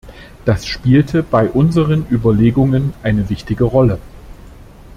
Das spielte bei unseren Überlegungen eine wichtige Rolle.